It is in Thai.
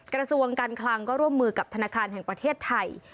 กระทรวงการคลังก็ร่วมมือกับธนาคารแห่งประเทศไทย